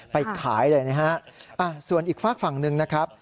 ไปขายเลยนะฮะส่วนอีกฝากฝั่งหนึ่งนะครับ